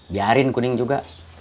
biarin kuning juga